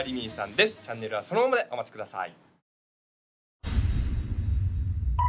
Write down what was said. チャンネルはそのままでお待ちください